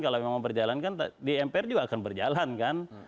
kalau memang berjalan kan di mpr juga akan berjalan kan